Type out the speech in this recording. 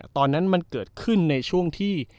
ตอนนั้นมันเกิดขึ้นในช่วงที่